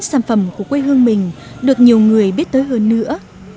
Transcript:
bà muốn sản phẩm của quê hương mình được nhiều người biết tới hơn nữa